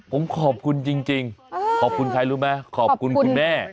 ผมขอบคุณจริงขอบคุณใครรู้ไหมขอบคุณคุณแม่